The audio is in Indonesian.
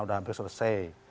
sudah hampir selesai